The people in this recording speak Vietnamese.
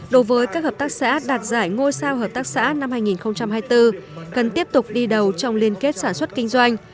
đối với các hợp tác xã đạt giải ngôi sao hợp tác xã năm hai nghìn hai mươi bốn cần tiếp tục đi đầu trong liên kết sản xuất kinh doanh